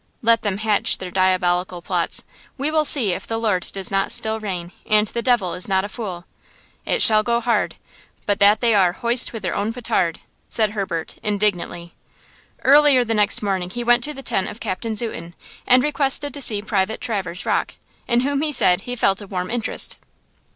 Let them hatch their diabolical plots. We will see if the Lord does not still reign, and the devil is not a fool. It shall go hard, but that they are 'hoist with their own petard!' said Herbert, indignantly. Early the next morning he went to the tent of Captain Zuten and requested to see Private Traverse Rocke, in whom, he said, he felt a warm interest.